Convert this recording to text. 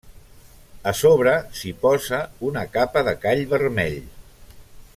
A sobre s'hi posa una capa de call vermell.